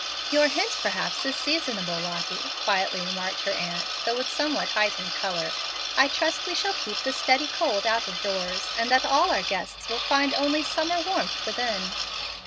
"Your hint, perhaps, is seasonable, Lottie," quietly remarked her aunt, though with somewhat heightened color. "I trust we shall keep the steady cold out of doors, and that ALL our guests will find only summer warmth within."